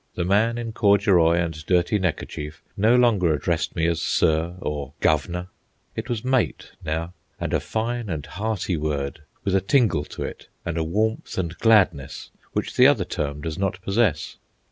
The man in corduroy and dirty neckerchief no longer addressed me as "sir" or "governor." It was "mate" now—and a fine and hearty word, with a tingle to it, and a warmth and gladness, which the other term does not possess.